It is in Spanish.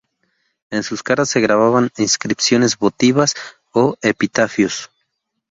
En sus caras se grababan inscripciones votivas o epitafios.